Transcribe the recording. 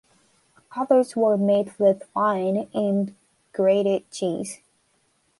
Others were made with wine and grated cheese.